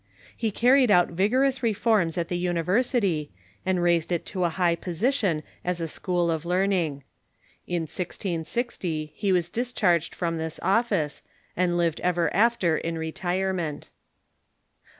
He car ried out vigorous reforms at the university, and raised it to a high position as a school of learning. In 1660 he was dis charged from this office, and lived ever after in retirement.